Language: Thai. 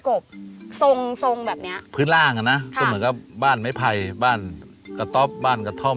ก็เหมือนกับบ้านไม้ไผ่บ้านกระทอบบ้านกระท่อม